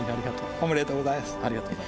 ありがとうございます。